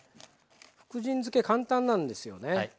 福神漬け簡単なんですよね。